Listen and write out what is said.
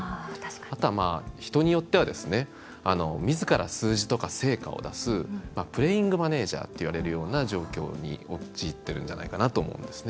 あとは、人によってはみずから数字とか成果を出すプレーイングマネージャーといわれるような状況に陥ってるんじゃないかなと思うんですね。